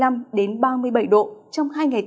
sau đó sẽ giảm nhẹ một độ trong ngày mùng tám tháng ba